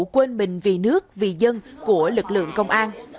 quên mình vì nước vì dân của lực lượng công an